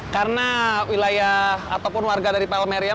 karena wilayah ataupun warga dari palmeriam